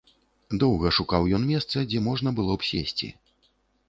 Доўга шукаў ён месца, дзе можна было б сесці.